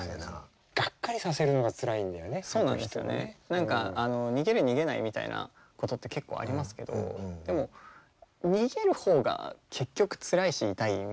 何か逃げる逃げないみたいなことって結構ありますけどでも逃げる方が結局つらいし痛いみたいな。